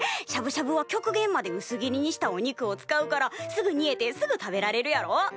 しゃぶしゃぶは極限までうす切りにしたお肉を使うからすぐにえてすぐ食べられるやろ？